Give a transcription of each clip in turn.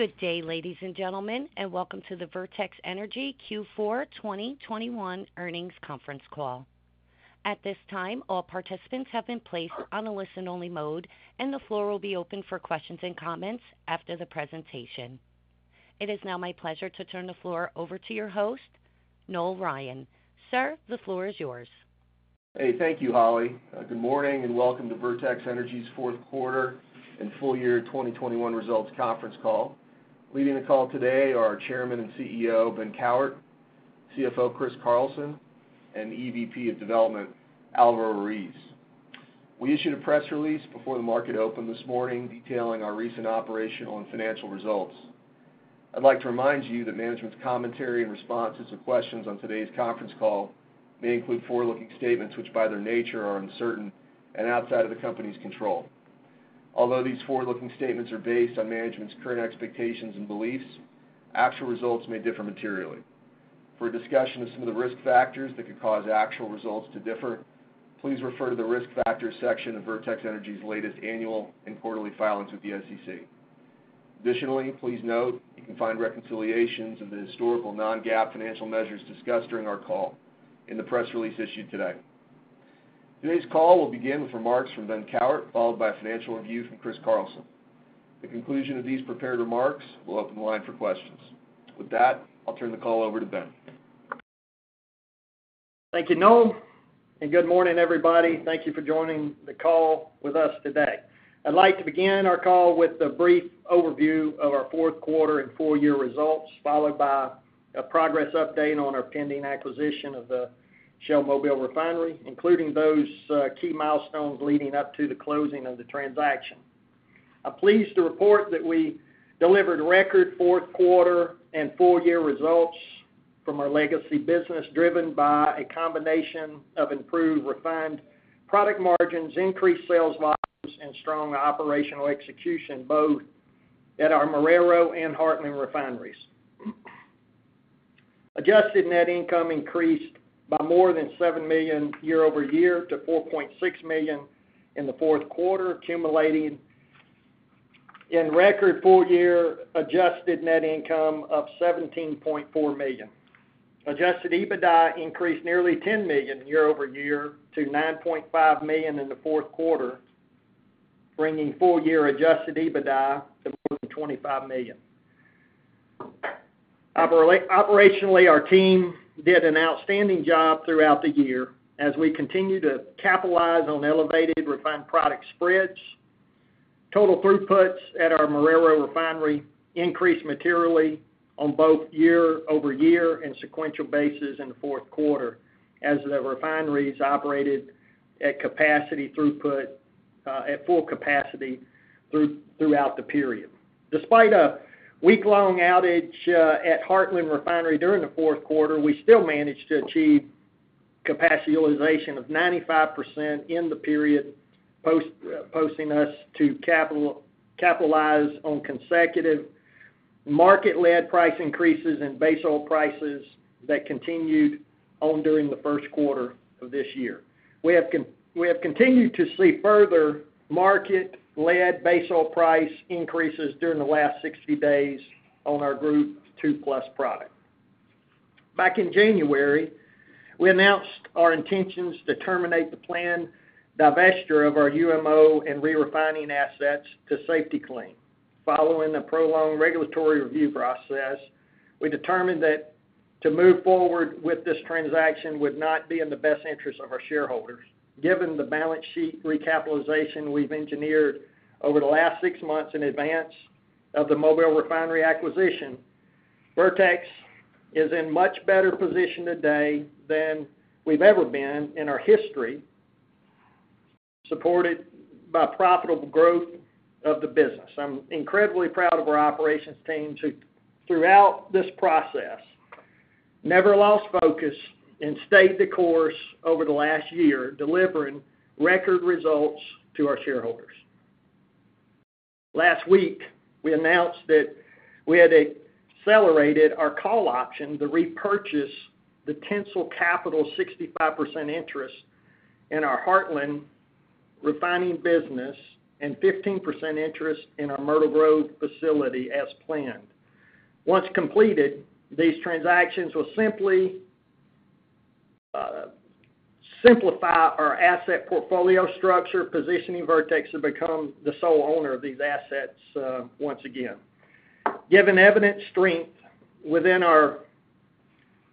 Good day, ladies and gentlemen, and welcome to the Vertex Energy Q4 2021 earnings conference call. At this time, all participants have been placed on a listen-only mode, and the floor will be open for questions and comments after the presentation. It is now my pleasure to turn the floor over to your host, Noel Ryan. Sir, the floor is yours. Hey, thank you, Holly. Good morning and welcome to Vertex Energy's fourth quarter and full year 2021 results conference call. Leading the call today are our Chairman and CEO, Ben Cowart, CFO, Chris Carlson, and EVP of Development, Alvaro Ruiz. We issued a press release before the market opened this morning detailing our recent operational and financial results. I'd like to remind you that management's commentary and responses to questions on today's conference call may include forward-looking statements which, by their nature, are uncertain and outside of the company's control. Although these forward-looking statements are based on management's current expectations and beliefs, actual results may differ materially. For a discussion of some of the risk factors that could cause actual results to differ, please refer to the Risk Factors section of Vertex Energy's latest annual and quarterly filings with the SEC. Additionally, please note you can find reconciliations of the historical non-GAAP financial measures discussed during our call in the press release issued today. Today's call will begin with remarks from Ben Cowart, followed by a financial review from Chris Carlson. The conclusion of these prepared remarks will open the line for questions. With that, I'll turn the call over to Ben. Thank you, Noel, and good morning, everybody. Thank you for joining the call with us today. I'd like to begin our call with a brief overview of our fourth quarter and full year results, followed by a progress update on our pending acquisition of the Shell Mobile Refinery, including those key milestones leading up to the closing of the transaction. I'm pleased to report that we delivered record fourth quarter and full year results from our legacy business, driven by a combination of improved refined product margins, increased sales volumes and strong operational execution both at our Marrero and Heartland refineries. Adjusted net income increased by more than $7 million year-over-year to $4.6 million in the fourth quarter, accumulating in record full year adjusted net income of $17.4 million. Adjusted EBITDA increased nearly $10 million year-over-year to $9.5 million in the fourth quarter, bringing full-year adjusted EBITDA to more than $25 million. Operationally, our team did an outstanding job throughout the year as we continue to capitalize on elevated refined product spreads. Total throughputs at our Marrero refinery increased materially on both year-over-year and sequential basis in the fourth quarter as the refineries operated at capacity throughput at full capacity throughout the period. Despite a week-long outage at Heartland Refinery during the fourth quarter, we still managed to achieve capacity utilization of 95% in the period, positioning us to capitalize on consecutive market-led price increases in base oil prices that continued on during the first quarter of this year. We have continued to see further market-led base oil price increases during the last 60 days on our Group II Plus product. Back in January, we announced our intentions to terminate the planned divestiture of our UMO and re-refining assets to Safety-Kleen. Following a prolonged regulatory review process, we determined that to move forward with this transaction would not be in the best interest of our shareholders. Given the balance sheet recapitalization we've engineered over the last six months in advance of the Mobile Refinery acquisition, Vertex is in much better position today than we've ever been in our history, supported by profitable growth of the business. I'm incredibly proud of our operations team who, throughout this process, never lost focus and stayed the course over the last year, delivering record results to our shareholders. Last week, we announced that we had accelerated our call option to repurchase the Tensile Capital 65% interest in our Heartland Refining business and 15% interest in our Myrtle Grove facility as planned. Once completed, these transactions will simply simplify our asset portfolio structure, positioning Vertex to become the sole owner of these assets once again. Given evident strength within our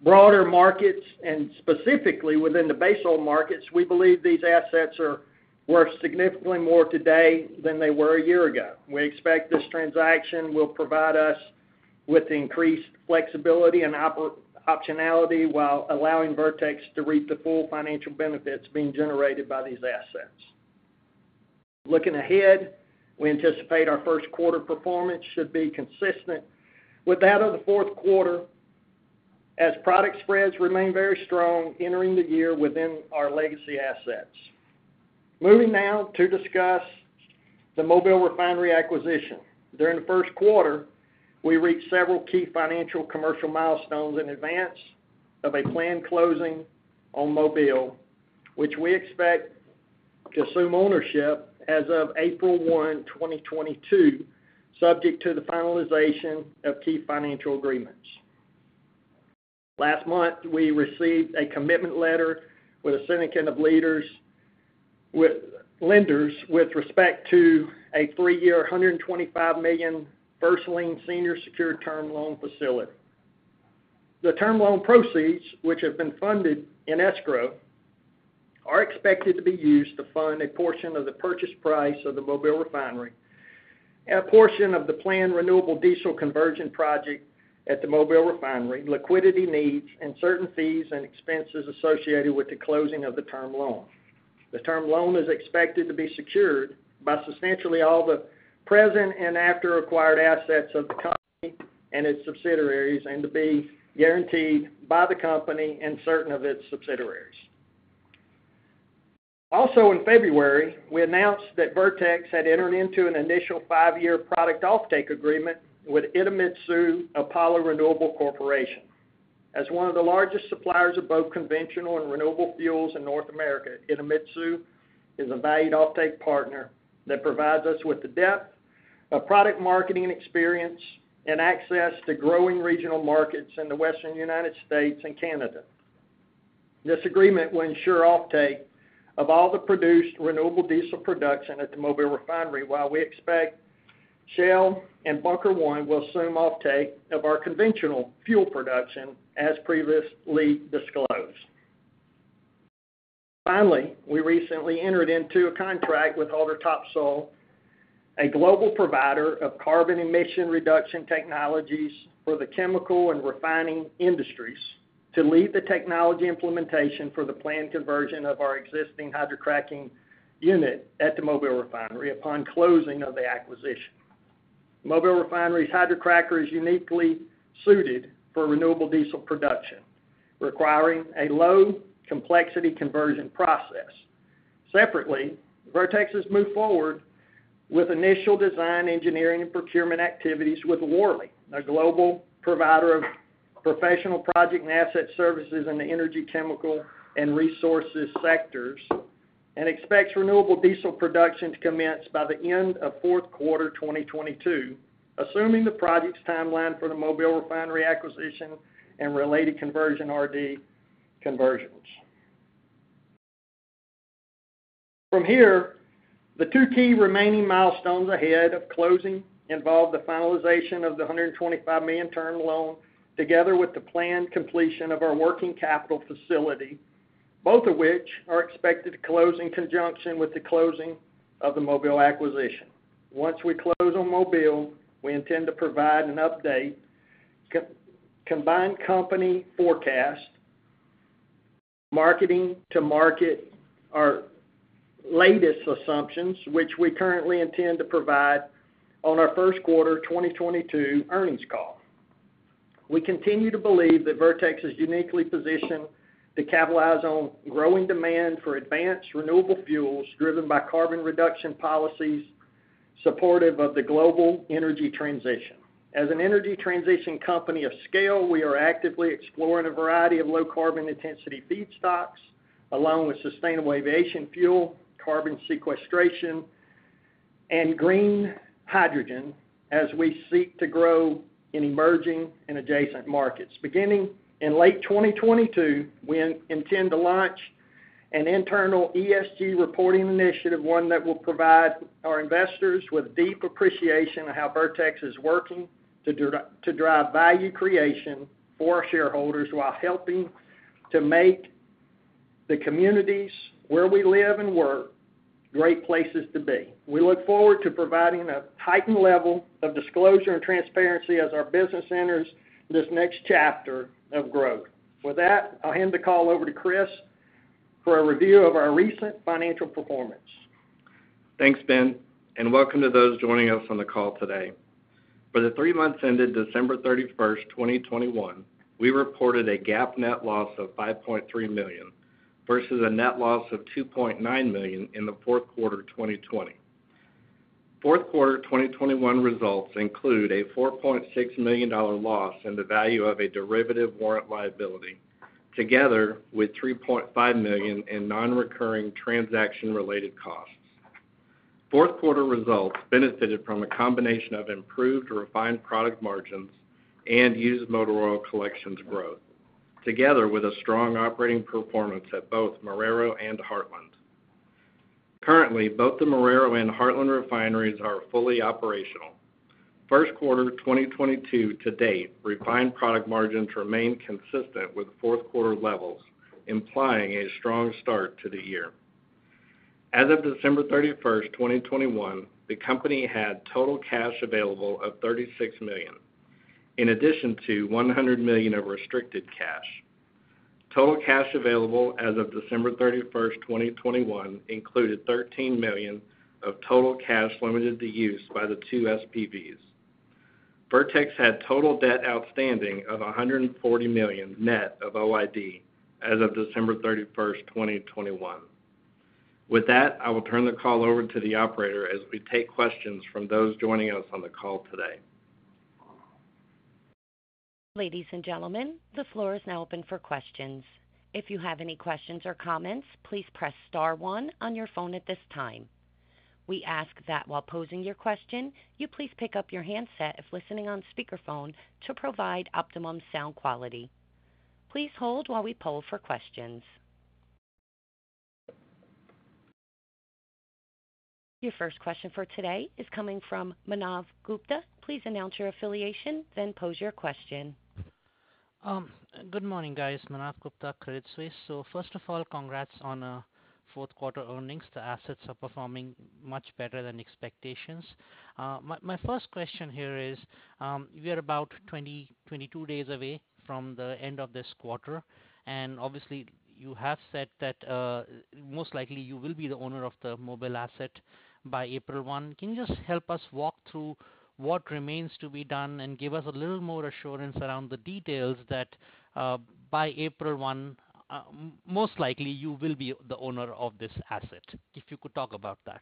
broader markets and specifically within the base oil markets, we believe these assets are worth significantly more today than they were a year ago. We expect this transaction will provide us with increased flexibility and optionality while allowing Vertex to reap the full financial benefits being generated by these assets. Looking ahead, we anticipate our first quarter performance should be consistent with that of the fourth quarter as product spreads remain very strong entering the year within our legacy assets. Moving now to discuss the Mobile Refinery acquisition. During the first quarter, we reached several key financial commercial milestones in advance of a planned closing on Mobile, which we expect to assume ownership as of April 1, 2022, subject to the finalization of key financial agreements. Last month, we received a commitment letter with a syndicate of lenders with respect to a three-year, $125 million first lien senior secured term loan facility. The term loan proceeds, which have been funded in escrow, are expected to be used to fund a portion of the purchase price of the Mobile Refinery and a portion of the planned renewable diesel conversion project at the Mobile Refinery, liquidity needs and certain fees and expenses associated with the closing of the term loan. The term loan is expected to be secured by substantially all the present and after acquired assets of the company and its subsidiaries, and to be guaranteed by the company and certain of its subsidiaries. Also in February, we announced that Vertex had entered into an initial five-year product offtake agreement with Idemitsu Apollo Renewable Corporation. As one of the largest suppliers of both conventional and renewable fuels in North America, Idemitsu is a valued offtake partner that provides us with the depth of product marketing experience and access to growing regional markets in the Western United States and Canada. This agreement will ensure offtake of all the produced renewable diesel production at the Mobile Refinery, while we expect Shell and Bunker One will assume offtake of our conventional fuel production as previously disclosed. Finally, we recently entered into a contract with Haldor Topsoe, a global provider of carbon emission reduction technologies for the chemical and refining industries, to lead the technology implementation for the planned conversion of our existing hydrocracking unit at the Mobile Refinery upon closing of the acquisition. Mobile Refinery's hydrocracker is uniquely suited for renewable diesel production, requiring a low complexity conversion process. Separately, Vertex has moved forward with initial design, engineering, and procurement activities with Worley, a global provider of professional project and asset services in the energy, chemical, and resources sectors, and expects renewable diesel production to commence by the end of fourth quarter 2022, assuming the project's timeline for the Mobile Refinery acquisition and related conversion RD conversions. From here, the two key remaining milestones ahead of closing involve the finalization of the $125 million term loan, together with the planned completion of our working capital facility, both of which are expected to close in conjunction with the closing of the Mobile acquisition. Once we close on Mobile, we intend to provide an update combined company forecast, marking to market our latest assumptions, which we currently intend to provide on our first quarter 2022 earnings call. We continue to believe that Vertex is uniquely positioned to capitalize on growing demand for advanced renewable fuels driven by carbon reduction policies supportive of the global energy transition. As an energy transition company of scale, we are actively exploring a variety of low carbon intensity feedstocks, along with sustainable aviation fuel, carbon sequestration, and green hydrogen as we seek to grow in emerging and adjacent markets. Beginning in late 2022, we intend to launch an internal ESG reporting initiative, one that will provide our investors with deep appreciation of how Vertex is working to drive value creation for our shareholders while helping to make the communities where we live and work great places to be. We look forward to providing a heightened level of disclosure and transparency as our business enters this next chapter of growth. With that, I'll hand the call over to Chris for a review of our recent financial performance. Thanks, Ben, and welcome to those joining us on the call today. For the three months ended December 31st, 2021, we reported a GAAP net loss of $5.3 million, versus a net loss of $2.9 million in the fourth quarter of 2020. Fourth quarter 2021 results include a $4.6 million loss in the value of a derivative warrant liability, together with $3.5 million in non-recurring transaction-related costs. Fourth quarter results benefited from a combination of improved refined product margins and used motor oil collections growth, together with a strong operating performance at both Marrero and Heartland. Currently, both the Marrero and Heartland refineries are fully operational. First quarter 2022 to date, refined product margins remain consistent with fourth quarter levels, implying a strong start to the year. As of December 31st, 2021, the company had total cash available of $36 million, in addition to $100 million of restricted cash. Total cash available as of December 31st, 2021 included $13 million of total cash limited to use by the two SPVs. Vertex had total debt outstanding of $140 million net of OID as of December 31st, 2021. With that, I will turn the call over to the operator as we take questions from those joining us on the call today. Ladies and gentlemen, the floor is now open for questions. If you have any questions or comments, please press star one on your phone at this time. We ask that while posing your question, you please pick up your handset if listening on speakerphone to provide optimum sound quality. Please hold while we poll for questions. Your first question for today is coming from Manav Gupta. Please announce your affiliation, then pose your question. Good morning, guys. Manav Gupta, Credit Suisse. First of all, congrats on fourth quarter earnings. The assets are performing much better than expectations. My first question here is, we are about 22 days away from the end of this quarter, and obviously you have said that most likely you will be the owner of the mobile asset by April 1. Can you just help us walk through what remains to be done and give us a little more assurance around the details that by April 1 most likely you will be the owner of this asset? If you could talk about that.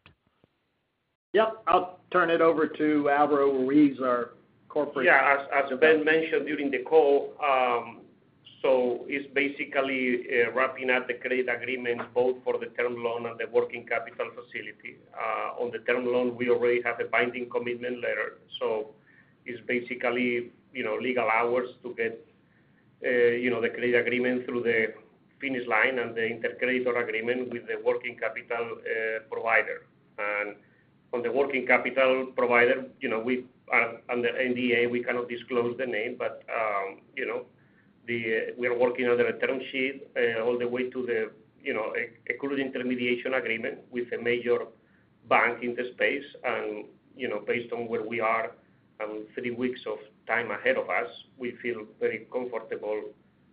Yep. I'll turn it over to Alvaro Ruiz, our corporate- As Ben mentioned during the call, it's basically wrapping up the credit agreement both for the term loan and the working capital facility. On the term loan, we already have a binding commitment letter, so it's basically you know legal hours to get you know the credit agreement through the finish line and the intermediation agreement with the working capital provider. On the working capital provider, you know we are under NDA, we cannot disclose the name, but you know we are working on the term sheet all the way to you know a current intermediation agreement with a major bank in the space. You know based on where we are and three weeks of time ahead of us, we feel very comfortable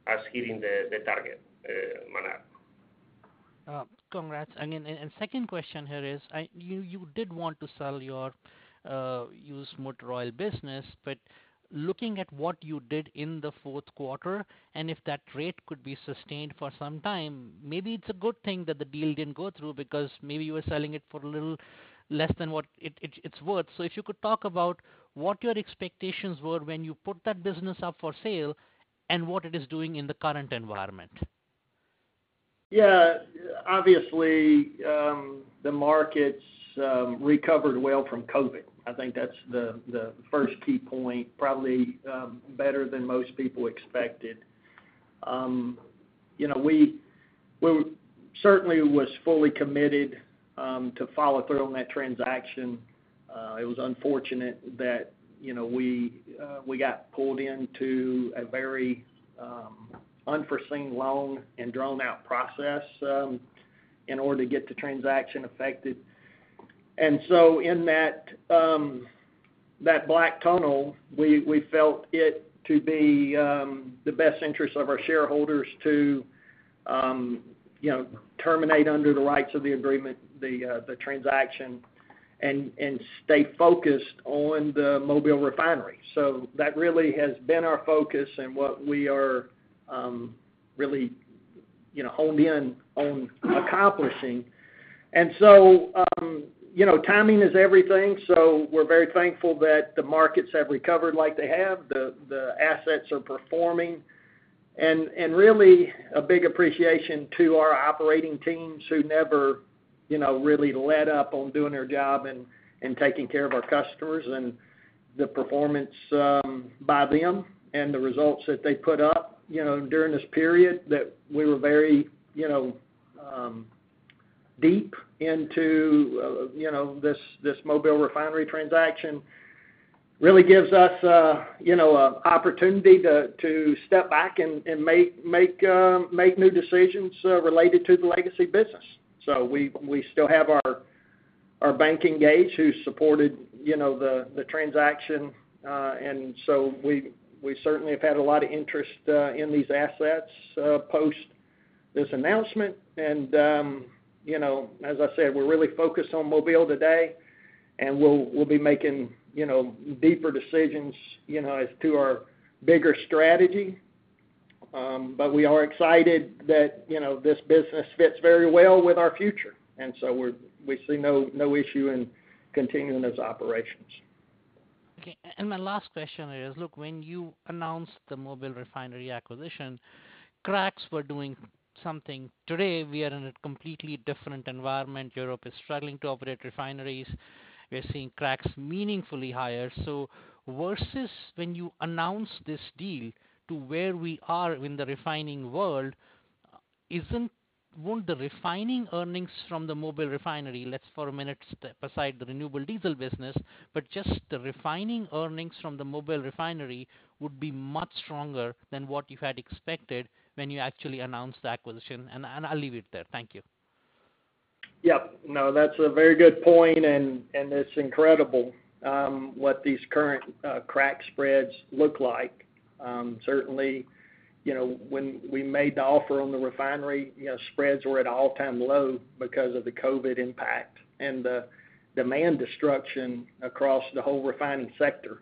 as hitting the target, Manav. Congrats. Second question here is, you did want to sell your used motor oil business, but looking at what you did in the fourth quarter, and if that rate could be sustained for some time, maybe it's a good thing that the deal didn't go through because maybe you were selling it for a little less than what it's worth. If you could talk about what your expectations were when you put that business up for sale and what it is doing in the current environment. Yeah. Obviously, the markets recovered well from COVID. I think that's the first key point. Probably better than most people expected. You know, we certainly was fully committed to follow through on that transaction. It was unfortunate that, you know, we got pulled into a very unforeseen, long, and drawn-out process in order to get the transaction affected. In that black tunnel, we felt it to be the best interest of our shareholders to, you know, terminate under the rights of the agreement, the transaction and stay focused on the mobile refinery. That really has been our focus and what we are really, you know, honed in on accomplishing. You know, timing is everything, so we're very thankful that the markets have recovered like they have. The assets are performing. Really a big appreciation to our operating teams who never, you know, really let up on doing their job and taking care of our customers and the performance by them and the results that they put up, you know, during this period that we were very deep into this Mobile Refinery transaction. Really gives us a opportunity to step back and make new decisions related to the legacy business. We still have our bank engaged who supported you know, the transaction. We certainly have had a lot of interest in these assets post this announcement. You know, as I said, we're really focused on Mobile today, and we'll be making, you know, deeper decisions, you know, as to our bigger strategy. We are excited that, you know, this business fits very well with our future. We're we see no issue in continuing those operations. Okay. My last question is, look, when you announced the Mobile Refinery acquisition, cracks were doing something. Today, we are in a completely different environment. Europe is struggling to operate refineries. We're seeing cracks meaningfully higher. Versus when you announced this deal to where we are in the refining world, won't the refining earnings from the Mobile Refinery, let's for a minute step aside the renewable diesel business, but just the refining earnings from the Mobile Refinery would be much stronger than what you had expected when you actually announced the acquisition. I'll leave it there. Thank you. Yep. No, that's a very good point, and it's incredible what these current crack spreads look like. Certainly, you know, when we made the offer on the refinery, you know, spreads were at all-time low because of the COVID impact and the demand destruction across the whole refining sector,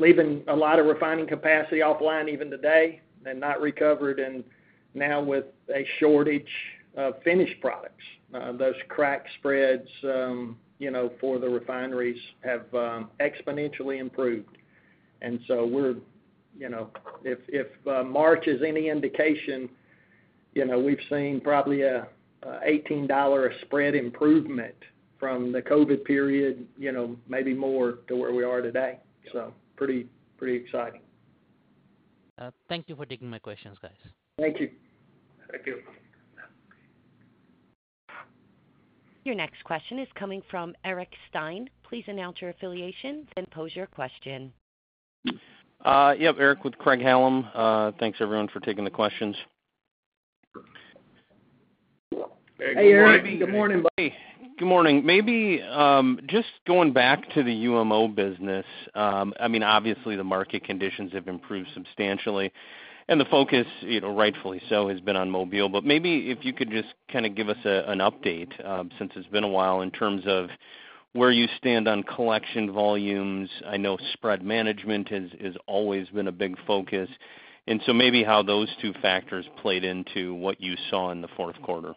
leaving a lot of refining capacity offline even today and not recovered, and now with a shortage of finished products. Those crack spreads, you know, for the refineries have exponentially improved. We're, you know, if March is any indication. You know, we've seen probably an $18 spread improvement from the COVID period, you know, maybe more to where we are today. Pretty exciting. Thank you for taking my questions, guys. Thank you. Thank you. Your next question is coming from Eric Stine. Please announce your affiliation and pose your question. Yeah, Eric with Craig-Hallum. Thanks everyone for taking the questions. Hey, Eric. Good morning, buddy. Good morning. Maybe, just going back to the UMO business. I mean, obviously the market conditions have improved substantially and the focus, you know, rightfully so, has been on Mobile. Maybe if you could just kind of give us an update, since it's been a while, in terms of where you stand on collection volumes. I know spread management has always been a big focus. Maybe how those two factors played into what you saw in the fourth quarter.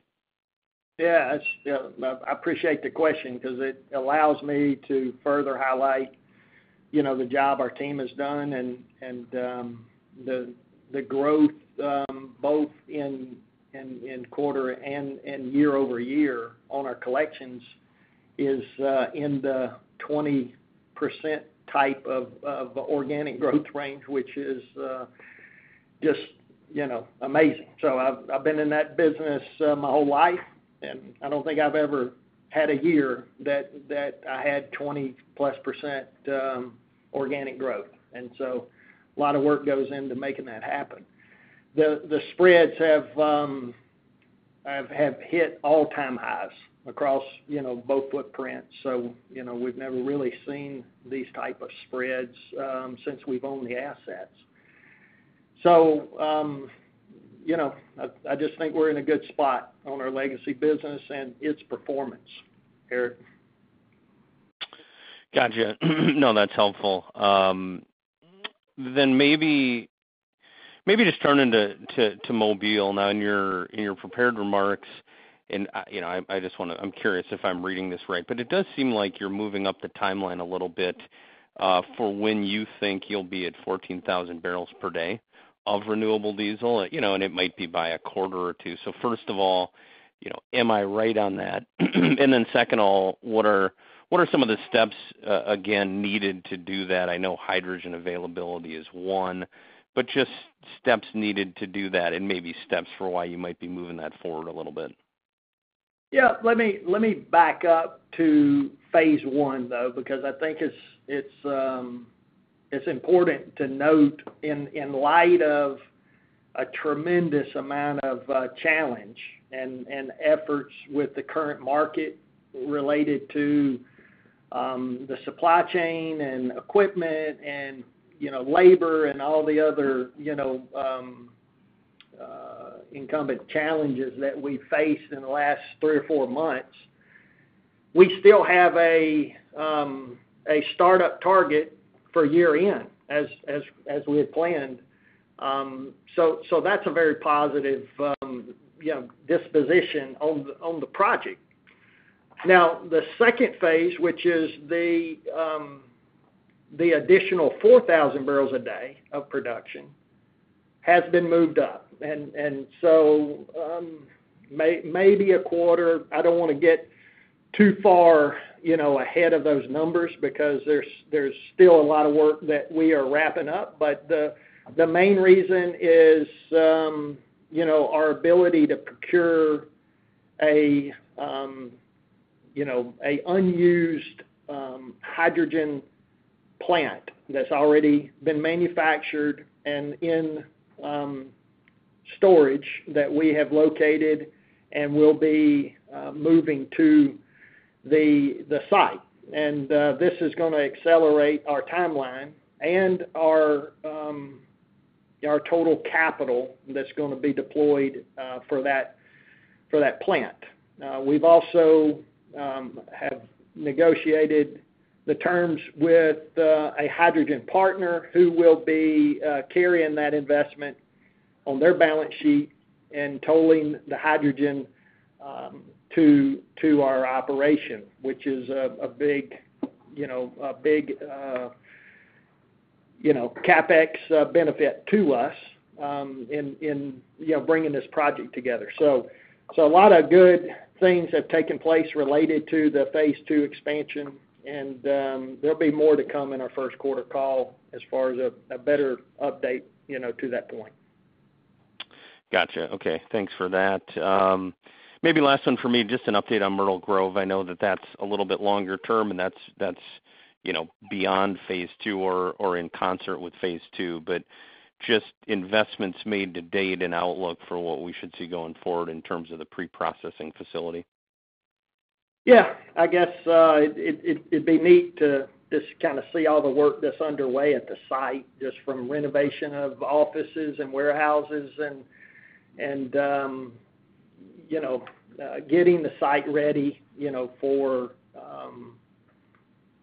Yeah, I appreciate the question because it allows me to further highlight, you know, the job our team has done and the growth both in-quarter and year-over-year on our collections is in the 20% type of organic growth range, which is just, you know, amazing. I've been in that business my whole life, and I don't think I've ever had a year that I had 20%+ organic growth. A lot of work goes into making that happen. The spreads have hit all-time highs across, you know, both footprints. You know, we've never really seen these type of spreads since we've owned the assets. You know, I just think we're in a good spot on our legacy business and its performance, Eric. Gotcha. No, that's helpful. Maybe just turn to Mobile now. In your prepared remarks, and, you know, I just wanna. I'm curious if I'm reading this right, but it does seem like you're moving up the timeline a little bit for when you think you'll be at 14,000 barrels per day of renewable diesel. You know, and it might be by a quarter or two. First of all, you know, am I right on that? Second of all, what are some of the steps, again, needed to do that? I know hydrogen availability is one, but just steps needed to do that, and maybe steps for why you might be moving that forward a little bit. Yeah. Let me back up to phase I, though, because I think it's important to note in light of a tremendous amount of challenge and efforts with the current market related to the supply chain and equipment and, you know, labor and all the other, you know, incumbent challenges that we faced in the last three or four months. We still have a startup target for year-end as we had planned. So that's a very positive, you know, disposition on the project. Now, the second phase, which is the additional 4,000 barrels a day of production, has been moved up. Maybe a quarter, I don't wanna get too far, you know, ahead of those numbers because there's still a lot of work that we are wrapping up. The main reason is, you know, our ability to procure an unused hydrogen plant that's already been manufactured and in storage that we have located and will be moving to the site. This is gonna accelerate our timeline and our total capital that's gonna be deployed for that plant. We've also negotiated the terms with a hydrogen partner who will be carrying that investment on their balance sheet and tolling the hydrogen to our operation, which is a big, you know, CapEx benefit to us in you know bringing this project together. A lot of good things have taken place related to the phase II expansion, and there'll be more to come in our first quarter call as far as a better update, you know, to that point. Gotcha. Okay, thanks for that. Maybe last one for me, just an update on Myrtle Grove. I know that that's a little bit longer term, and that's, you know, beyond phase II or in concert with phase II. Just investments made to date and outlook for what we should see going forward in terms of the preprocessing facility. Yeah. I guess it'd be neat to just kind of see all the work that's underway at the site, just from renovation of offices and warehouses and you know getting the site ready you know for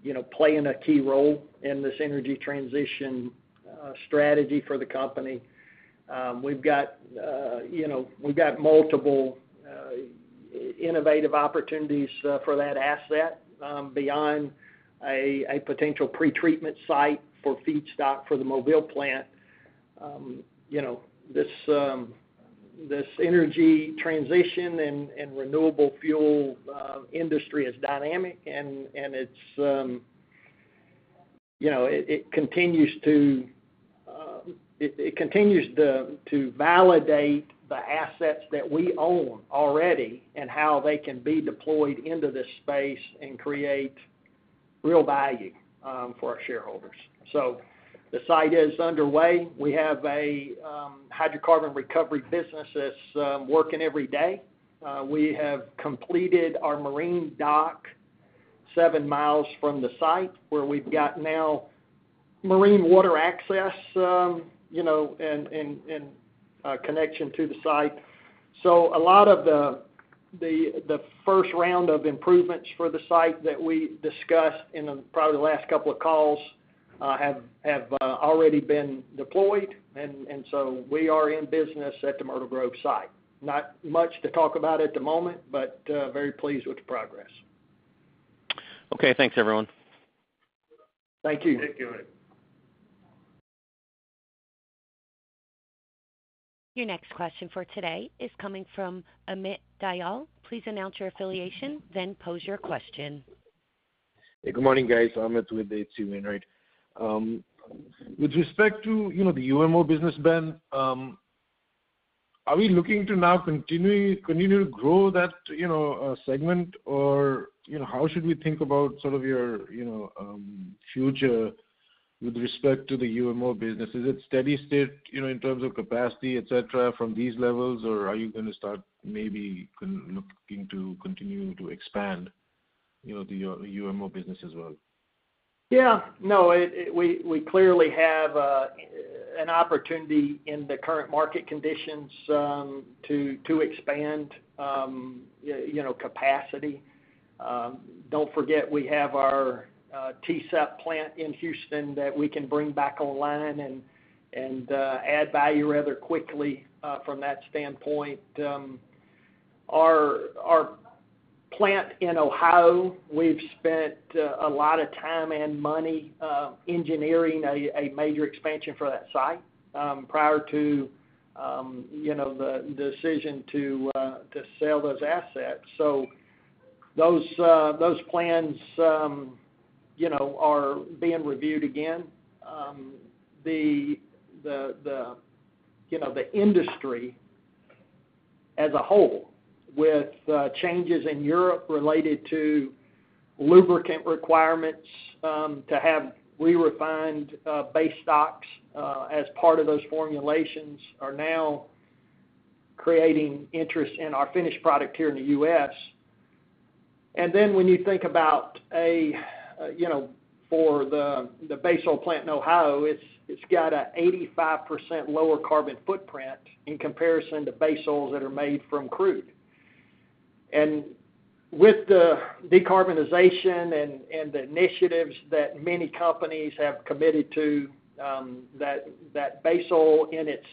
you know playing a key role in this energy transition strategy for the company. We've got you know we've got multiple innovative opportunities for that asset beyond a potential pretreatment site for feedstock for the Mobile plant. You know this energy transition and renewable fuel industry is dynamic and it's you know it continues to validate the assets that we own already and how they can be deployed into this space and create real value for our shareholders. The site is underway. We have a hydrocarbon recovery business that's working every day. We have completed our marine dock seven miles from the site where we've got now marine water access, you know, and a connection to the site. A lot of the first round of improvements for the site that we discussed in the probably last couple of calls have already been deployed. We are in business at the Myrtle Grove site. Not much to talk about at the moment, but very pleased with the progress. Okay. Thanks everyone. Thank you. Thank you. Your next question for today is coming from Amit Dayal. Please announce your affiliation, then pose your question. Hey, good morning, guys. Amit with H.C. Wainwright. With respect to, you know, the UMO business, Ben, are we looking to now continue to grow that, you know, segment or, you know, how should we think about sort of your, you know, future with respect to the UMO business? Is it steady state, you know, in terms of capacity, et cetera, from these levels, or are you gonna start maybe looking to continue to expand, you know, the UMO business as well? We clearly have an opportunity in the current market conditions to expand, you know, capacity. Don't forget we have our TCEP plant in Houston that we can bring back online and add value rather quickly from that standpoint. Our plant in Ohio, we've spent a lot of time and money engineering a major expansion for that site prior to you know, the decision to sell those assets. Those plans, you know, are being reviewed again. The industry as a whole with changes in Europe related to lubricant requirements to have re-refined base stocks as part of those formulations are now creating interest in our finished product here in the U.S. Then when you think about, you know, for the base oil plant in Ohio, it's got an 85% lower carbon footprint in comparison to base oils that are made from crude. With the decarbonization and the initiatives that many companies have committed to, that base oil in its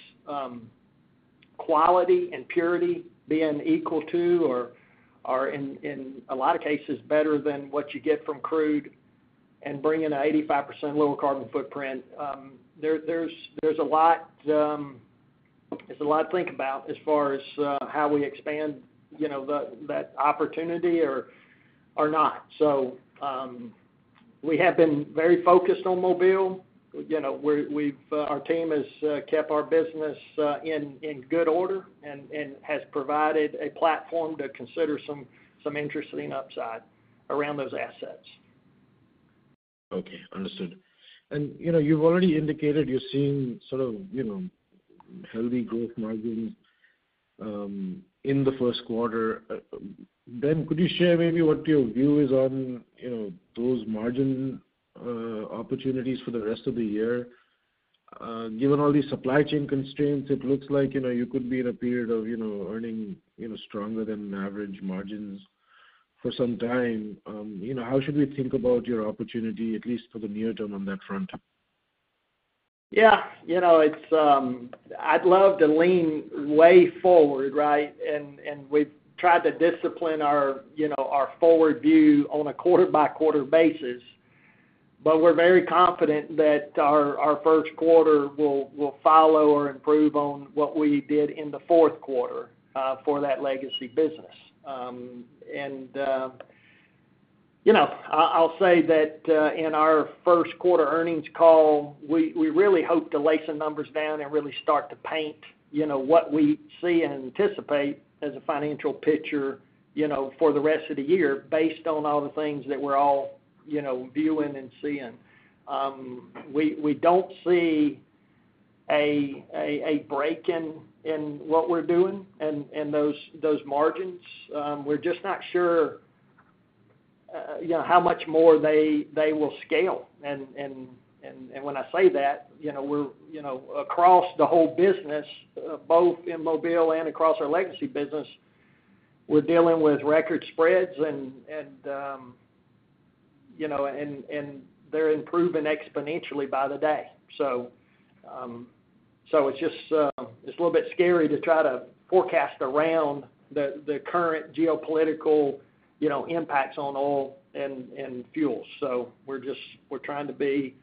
quality and purity being equal to or in a lot of cases better than what you get from crude and bringing an 85% lower carbon footprint, there's a lot to think about as far as how we expand, you know, that opportunity or not. We have been very focused on Mobile. You know, our team has kept our business in good order and has provided a platform to consider some interesting upside around those assets. Okay. Understood. You know, you've already indicated you're seeing sort of, you know, healthy growth margins in the first quarter. Ben, could you share maybe what your view is on, you know, those margin opportunities for the rest of the year? Given all these supply chain constraints, it looks like, you know, you could be in a period of, you know, earning, you know, stronger than average margins for some time. You know, how should we think about your opportunity, at least for the near term on that front? Yeah. You know, it's. I'd love to lean way forward, right? We've tried to discipline our you know our forward view on a quarter-by-quarter basis, but we're very confident that our first quarter will follow or improve on what we did in the fourth quarter for that legacy business. You know, I'll say that in our first quarter earnings call, we really hope to lay some numbers down and really start to paint you know what we see and anticipate as a financial picture you know for the rest of the year based on all the things that we're all you know viewing and seeing. We don't see a break in what we're doing and those margins. We're just not sure, you know, how much more they will scale. When I say that, you know, we're, you know, across the whole business, both in Mobile and across our legacy business, we're dealing with record spreads and, you know, they're improving exponentially by the day. So it's just, it's a little bit scary to try to forecast around the current geopolitical, you know, impacts on oil and fuels. So we're trying to be,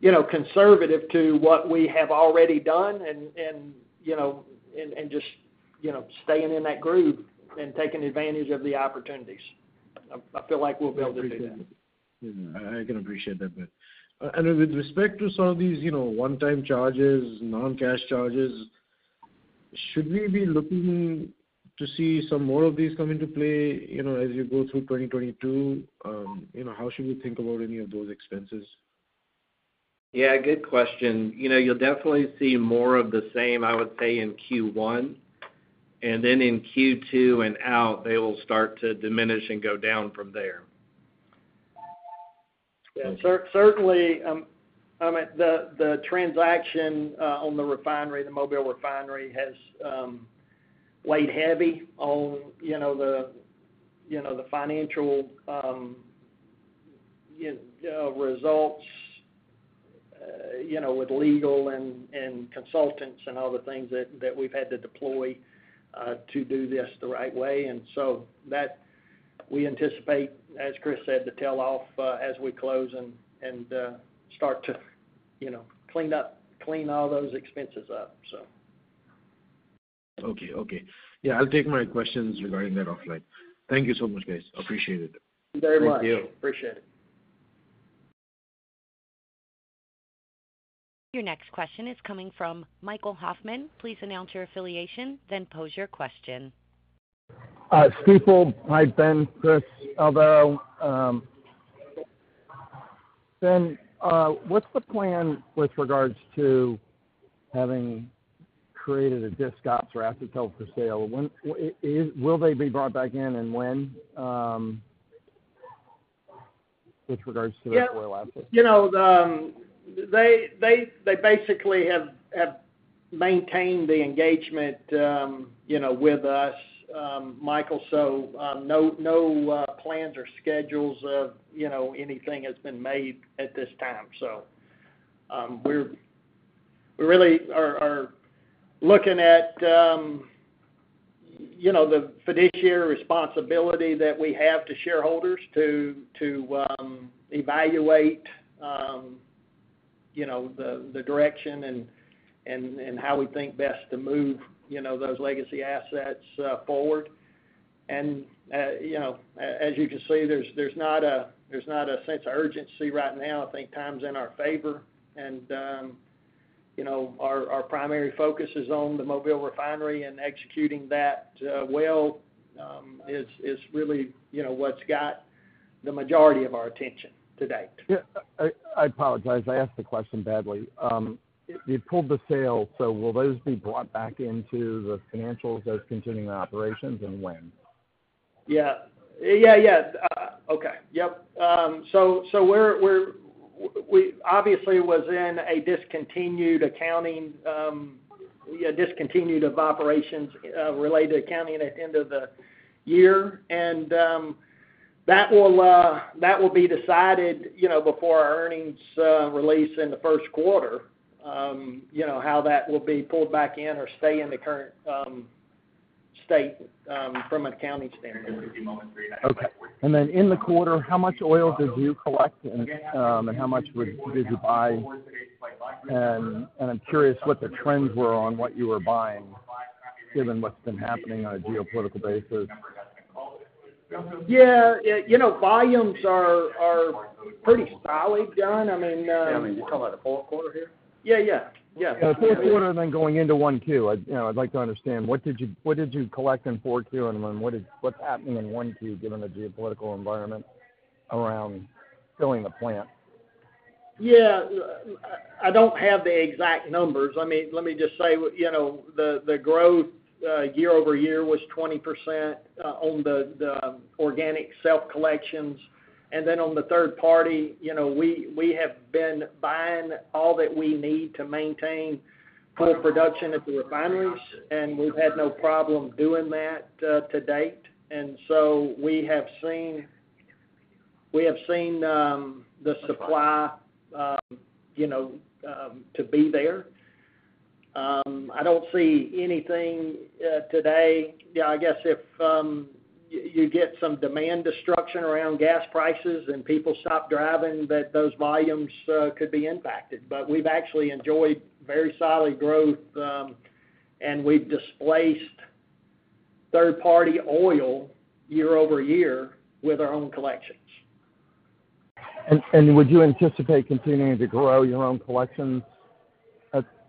you know, conservative to what we have already done and, you know, just, you know, staying in that groove and taking advantage of the opportunities. I feel like we'll be able to do that. I can appreciate that. Yeah. With respect to some of these, you know, one-time charges, non-cash charges, should we be looking to see some more of these come into play, you know, as you go through 2022? You know, how should we think about any of those expenses? Yeah, good question. You know, you'll definitely see more of the same, I would say in Q1. In Q2 and out, they will start to diminish and go down from there. Certainly, I mean, the transaction on the refinery, the Mobile Refinery, has weighed heavy on, you know, the financial results, you know, with legal and consultants and other things that we've had to deploy to do this the right way. That we anticipate, as Chris said, to tail off as we close and start to, you know, clean all those expenses up, so. Okay, okay. Yeah, I'll take my questions regarding that offline. Thank you so much, guys. Appreciate it. Thank you very much. Thank you. Appreciate it. Your next question is coming from Michael Hoffman. Please announce your affiliation, then pose your question. Stifel. Hi, Ben, Chris, Alvaro. Ben, what's the plan with regards to having created a disc ops or asset held for sale? Will they be brought back in and when, with regards to the oil assets? You know, they basically have maintained the engagement, you know, with us, Michael. No plans or schedules of, you know, anything has been made at this time. We really are looking at, you know, the fiduciary responsibility that we have to shareholders to evaluate, you know, the direction and how we think best to move, you know, those legacy assets forward. You know, as you can see, there's not a sense of urgency right now. I think time's in our favor. You know, our primary focus is on the Mobile refinery and executing that well is really, you know, what's got the majority of our attention to date. Yeah. I apologize. I asked the question badly. You pulled the sale, so will those be brought back into the financials as continuing operations, and when? So we're—we obviously was in a discontinued accounting, discontinued operations related to accounting at end of the year. That will be decided, you know, before our earnings release in the first quarter, you know, how that will be pulled back in or stay in the current state from an accounting standpoint. Okay. Then in the quarter, how much oil did you collect and how much did you buy? I'm curious what the trends were on what you were buying, given what's been happening on a geopolitical basis. Yeah. You know, volumes are pretty solid, John. I mean, You talking about the fourth quarter here? Yeah. Fourth quarter then going into 1Q, you know, I'd like to understand what did you collect in 4Q, and then what's happening in 1Q, given the geopolitical environment around filling the plant? Yeah. I don't have the exact numbers. Let me just say, you know, the growth year-over-year was 20% on the organic self collections. On the third party, you know, we have been buying all that we need to maintain full production at the refineries, and we've had no problem doing that to date. We have seen the supply, you know, to be there. I don't see anything today. Yeah, I guess if you get some demand destruction around gas prices and people stop driving, that those volumes could be impacted. We've actually enjoyed very solid growth, and we've displaced third-party oil year-over-year with our own collections. Would you anticipate continuing to grow your own collections?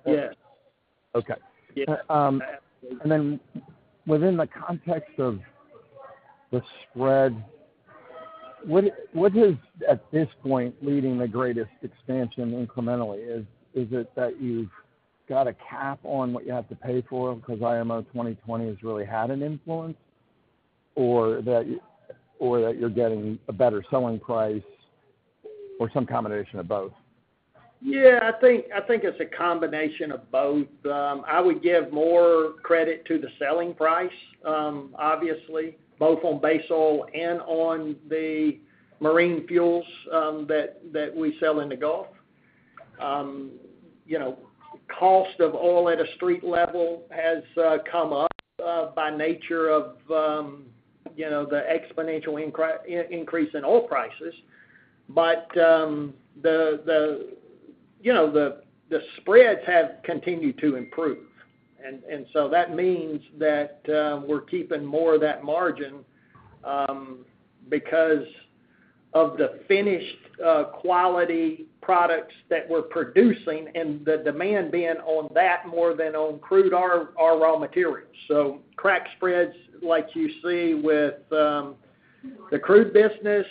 Yes. Okay. Yeah. Within the context of the spread, what is at this point leading the greatest expansion incrementally? Is it that you've got a cap on what you have to pay for because IMO 2020 has really had an influence? Or that you're getting a better selling price? Or some combination of both? Yeah, I think it's a combination of both. I would give more credit to the selling price, obviously, both on base oil and on the marine fuels that we sell in the Gulf. You know, cost of oil at a street level has come up by nature of you know, the exponential increase in oil prices. You know, the spreads have continued to improve. That means that we're keeping more of that margin because of the finished quality products that we're producing and the demand being on that more than on crude or raw materials. Crack spreads, like you see with the crude business,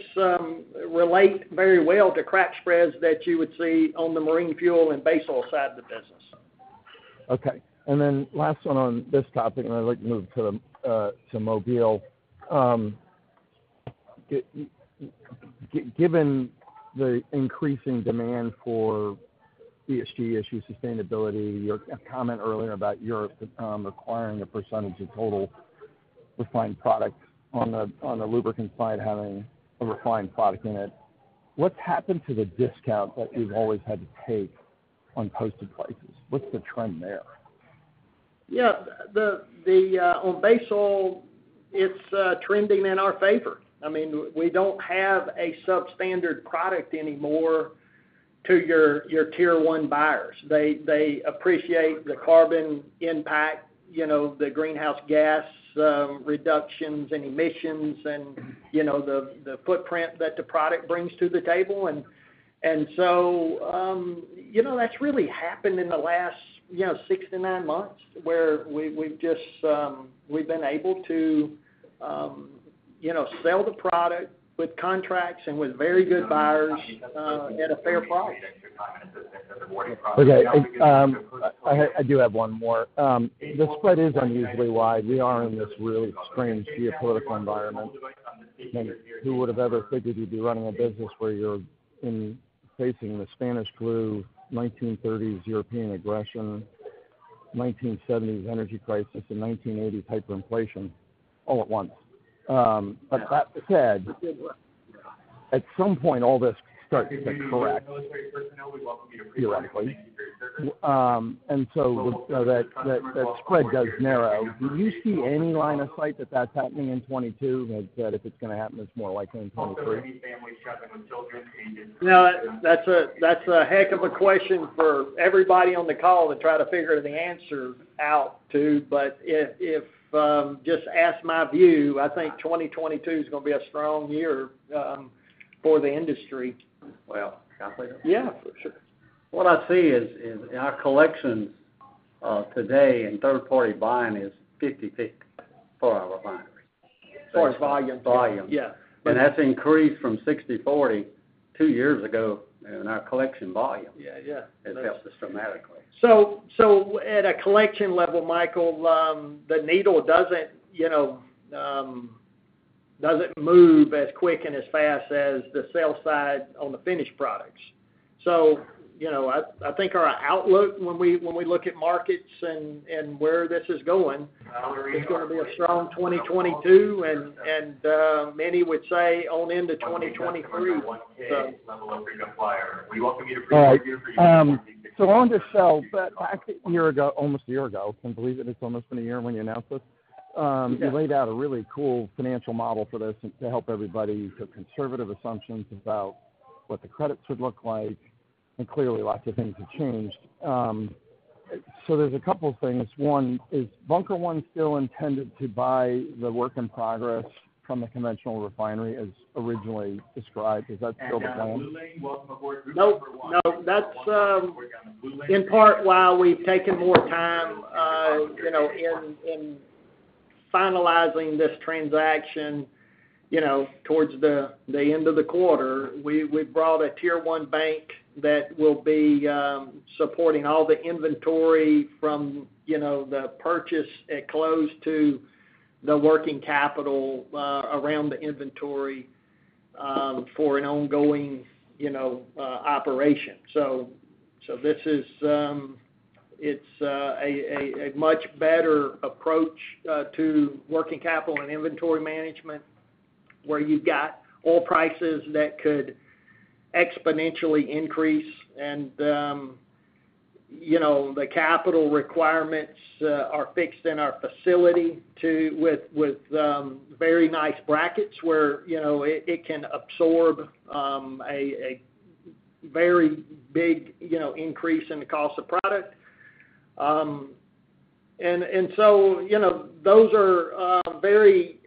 relate very well to crack spreads that you would see on the marine fuel and base oil side of the business. Okay. Last one on this topic, and I'd like to move to Mobile. Given the increasing demand for ESG issues, sustainability, your comment earlier about Europe requiring a percentage of total refined products on the lubricant side having a refined product in it, what's happened to the discount that you've always had to take on posted prices? What's the trend there? Yeah. On base oil, it's trending in our favor. I mean, we don't have a substandard product anymore to your tier one buyers. They appreciate the carbon impact, you know, the greenhouse gas reductions and emissions and, you know, the footprint that the product brings to the table. You know, that's really happened in the last, you know, six months-nine months, where we've just been able to, you know, sell the product with contracts and with very good buyers at a fair price. Okay. I do have one more. The spread is unusually wide. We are in this really strange geopolitical environment. I mean, who would have ever figured you'd be running a business where you're facing the Spanish flu, 1930s European aggression, 1970s energy crisis, and 1980s hyperinflation all at once. That said, at some point, all this starts to correct theoretically. That spread does narrow. Do you see any line of sight that that's happening in 2022? That if it's gonna happen, it's more likely in 2023. No. That's a heck of a question for everybody on the call to try to figure out the answer to. If you just ask, my view, I think 2022 is gonna be a strong year for the industry. Well. Yeah. Sure. What I see is our collections today in third-party buying is 50 bpd for our refineries. As far as volume. Volume. Yeah. That's increased from 60/40 two years ago in our collection volume. Yeah. Yeah. It helps us dramatically. At a collection level, Michael, the needle doesn't move as quick and as fast as the sale side on the finished products. I think our outlook when we look at markets and where this is going, it's gonna be a strong 2022, and many would say on into 2023. All right. On to Shell, back a year ago. Can't believe that it's almost been a year when you announced this. There's a couple things. One, is Bunker One still intended to buy the work in progress from the conventional refinery as originally described? Is that still the plan? Nope. No. That's in part why we've taken more time, you know, in finalizing this transaction, you know, towards the end of the quarter. We've brought a tier one bank that will be supporting all the inventory from, you know, the purchase at close to the working capital around the inventory for an ongoing, you know, operation. So this is a much better approach to working capital and inventory management, where you've got oil prices that could exponentially increase. You know, the capital requirements are fixed in our facility with very nice brackets, where, you know, it can absorb a very big, you know, increase in the cost of product. You know, those are very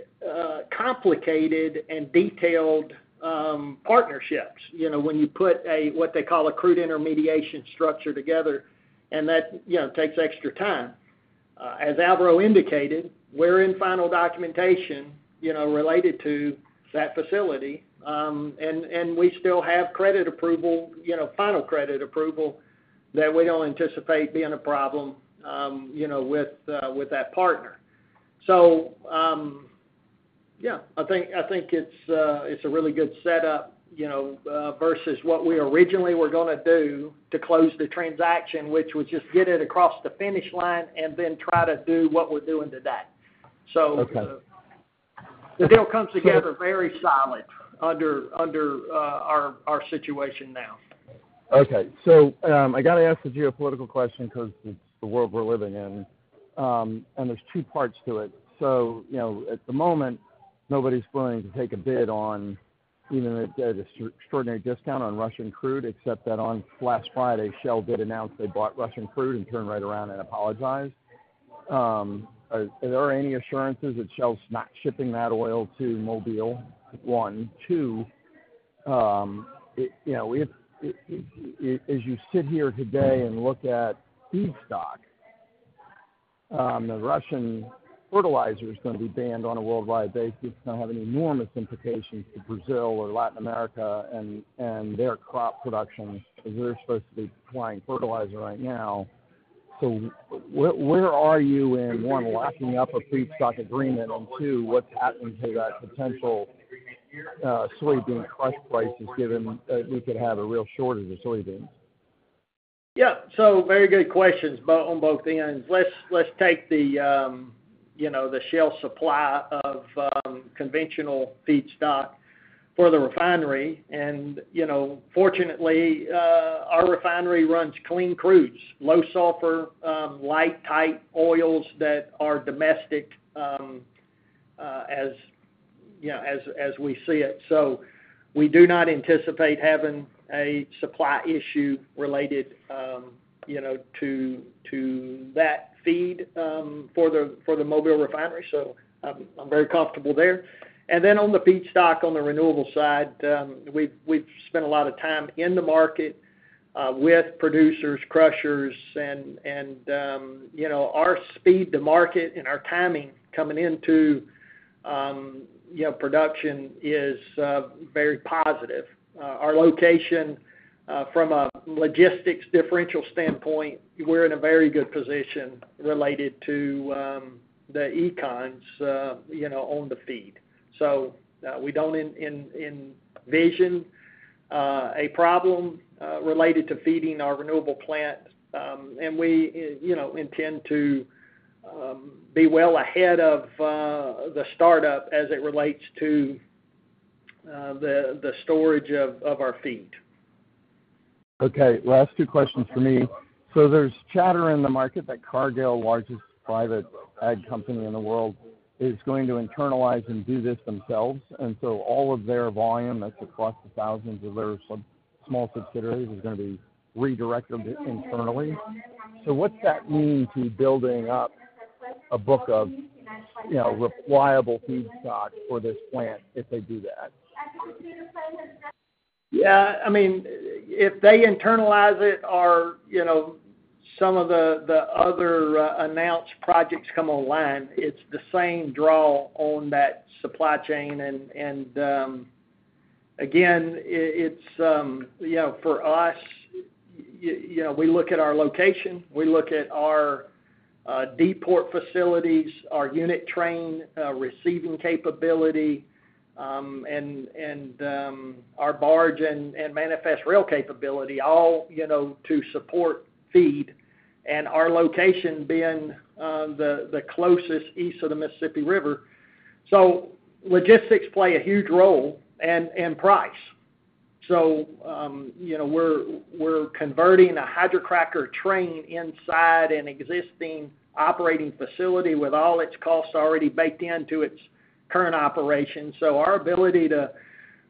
complicated and detailed partnerships, you know, when you put a, what they call a crude intermediation structure together, and that, you know, takes extra time. As Alvaro indicated, we're in final documentation, you know, related to that facility. We still have credit approval, you know, final credit approval that we don't anticipate being a problem, you know, with that partner. I think it's a really good setup, you know, versus what we originally were gonna do to close the transaction, which was just get it across the finish line and then try to do what we're doing today. Okay. The deal comes together very solid under our situation now. Okay. I gotta ask the geopolitical question because it's the world we're living in. There's two parts to it. You know, at the moment, nobody's willing to take a bid on even at the extraordinary discount on Russian crude, except that on last Friday, Shell did announce they bought Russian crude and turned right around and apologized. Are there any assurances that Shell's not shipping that oil to Mobile, one? Two, you know, as you sit here today and look at feedstock, the Russian fertilizer is gonna be banned on a worldwide basis. It's gonna have an enormous implication to Brazil or Latin America and their crop production because they're supposed to be applying fertilizer right now. Where are you in, one, locking up a feedstock agreement? Two, what's happening to that potential soybean crush prices given we could have a real shortage of soybeans? Very good questions on both ends. Let's take the Shell supply of conventional feedstock for the refinery. Fortunately, our refinery runs clean crudes, low sulfur light tight oils that are domestic, as we see it. We do not anticipate having a supply issue related to that feed for the Mobile Refinery. I'm very comfortable there. Then on the feedstock, on the renewable side, we've spent a lot of time in the market with producers, crushers and our speed to market and our timing coming into production is very positive. Our location, from a logistics differential standpoint, we're in a very good position related to the economics, you know, on the feed. We don't envision a problem related to feeding our renewable plant. We, you know, intend to be well ahead of the startup as it relates to the storage of our feed. Okay. Last two questions for me. There's chatter in the market that Cargill, largest private ag company in the world, is going to internalize and do this themselves. All of their volume, that's across the thousands of their small subsidiaries, is gonna be redirected internally. What's that mean to building up a book of, you know, reliable feedstock for this plant if they do that? Yeah. I mean, if they internalize it or, you know, some of the other announced projects come online, it's the same draw on that supply chain. Again, it's, you know, for us, you know, we look at our location, our deep port facilities, our unit train receiving capability, and our barge and manifest rail capability all, you know, to support feed and our location being the closest east of the Mississippi River. Logistics play a huge role and price. You know, we're converting a hydrocracker train inside an existing operating facility with all its costs already baked into its current operation. Our ability to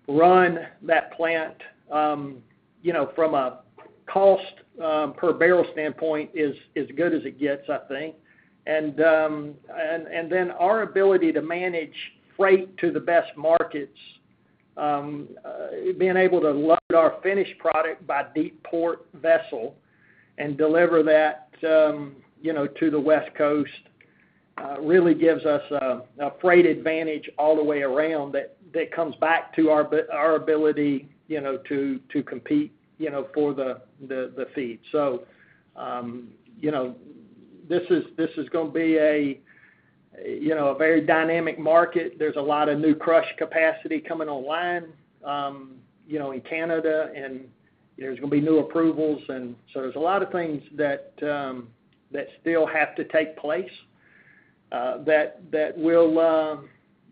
run that plant, you know, from a cost per barrel standpoint is as good as it gets, I think. our ability to manage freight to the best markets, being able to load our finished product by deep port vessel and deliver that, you know, to the West Coast, really gives us a freight advantage all the way around that comes back to our ability, you know, to compete, you know, for the feed. You know, this is gonna be a very dynamic market. There's a lot of new crush capacity coming online, you know, in Canada, and there's gonna be new approvals. There's a lot of things that still have to take place, that will,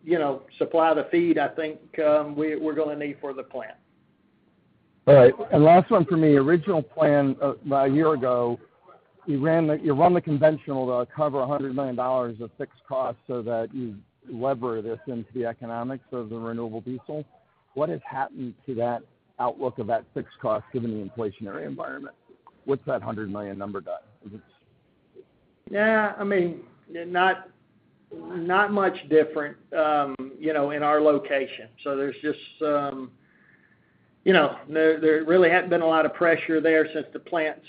you know, supply the feed I think, we're gonna need for the plant. All right. Last one for me. Original plan, about a year ago, you run the conventional to cover $100 million of fixed costs so that you lever this into the economics of the renewable diesel. What has happened to that outlook of that fixed cost given the inflationary environment? What's that 100 million number done? Is it? Yeah, I mean, not much different, you know, in our location. There's just, you know, there really hasn't been a lot of pressure there since the plant's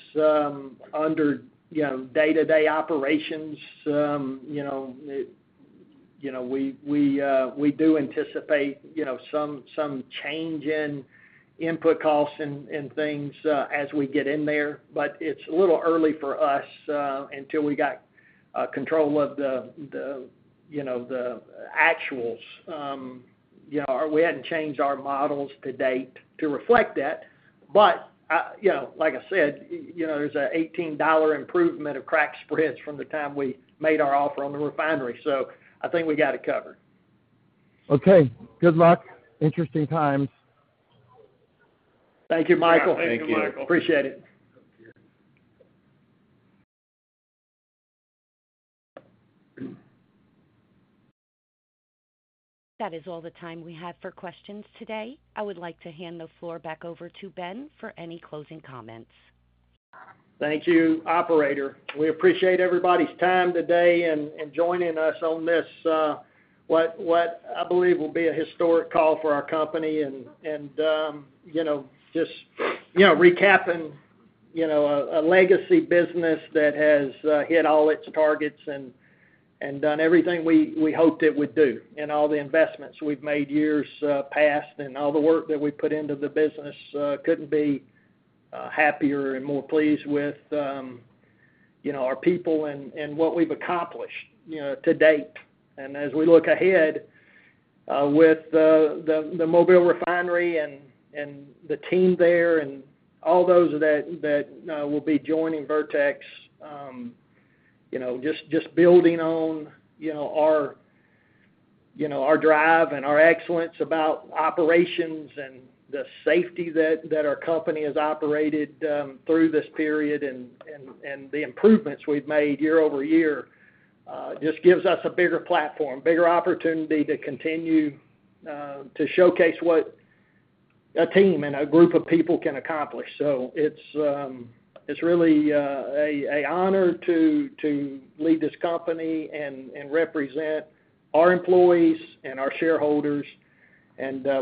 under, you know, day-to-day operations. You know, we do anticipate, you know, some change in input costs and things as we get in there. It's a little early for us until we got control of the actuals, you know, we hadn't changed our models to date to reflect that. You know, like I said, you know, there's an $18 improvement of crack spreads from the time we made our offer on the refinery. I think we got it covered. Okay, good luck. Interesting times. Thank you, Michael. Yeah. Thank you, Michael. Appreciate it. Yeah. That is all the time we have for questions today. I would like to hand the floor back over to Ben for any closing comments. Thank you, operator. We appreciate everybody's time today and joining us on this, what I believe will be a historic call for our company and, you know, just, you know, recapping, you know, a legacy business that has hit all its targets and done everything we hoped it would do, and all the investments we've made years past and all the work that we put into the business. Couldn't be happier and more pleased with, you know, our people and what we've accomplished, you know, to date. As we look ahead, with the Mobile Refinery and the team there and all those that will be joining Vertex, you know, just building on, you know, our drive and our excellence about operations and the safety that our company has operated through this period and the improvements we've made year-over-year, just gives us a bigger platform, bigger opportunity to continue to showcase what a team and a group of people can accomplish. It's really a honor to lead this company and represent our employees and our shareholders.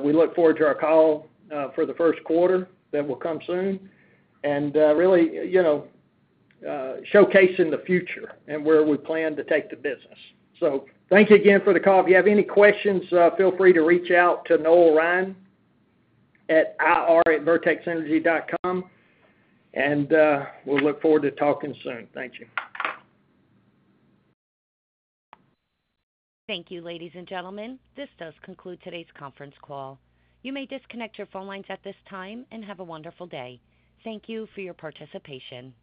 We look forward to our call for the first quarter that will come soon and really, you know, showcasing the future and where we plan to take the business. Thank you again for the call. If you have any questions, feel free to reach out to Noel Ryan at ir@vertexenergy.com. We look forward to talking soon. Thank you. Thank you, ladies and gentlemen. This does conclude today's conference call. You may disconnect your phone lines at this time, and have a wonderful day. Thank you for your participation.